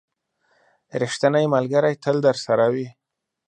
• ریښتینی ملګری تل درسره وي.